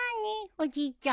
おじいちゃん。